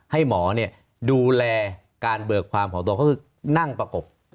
ให้หมอดูแลการเบิกความของตัวเขาคือนั่งประกบ